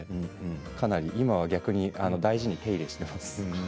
かなり今は逆に大事に手入れしています。